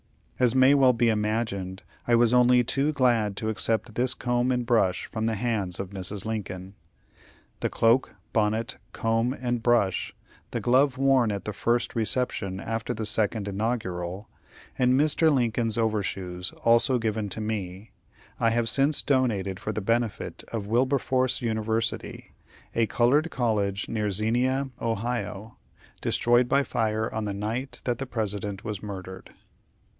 As may well be imagined, I was only too glad to accept this comb and brush from the hands of Mrs. Lincoln. The cloak, bonnet, comb, and brush, the glove worn at the first reception after the second inaugural, and Mr. Lincoln's over shoes, also given to me, I have since donated for the benefit of Wilberforce University, a colored college near Xenia, Ohio, destroyed by fire on the night that the President was murdered.